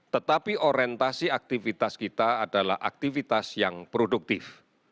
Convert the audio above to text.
tetapi orientasi aktivitas kita adalah aktivitas yang produktif